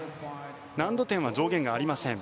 難度点は上限がありません。